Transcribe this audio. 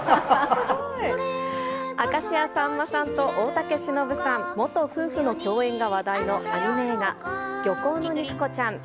明石家さんまさんと大竹しのぶさん、元夫婦の共演が話題のアニメ映画、漁港の肉子ちゃん。